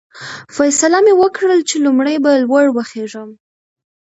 فیصله مې وکړل چې لومړی به لوړ وخېژم.